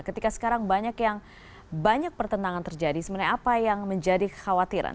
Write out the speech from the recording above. ketika sekarang banyak yang banyak pertentangan terjadi sebenarnya apa yang menjadi kekhawatiran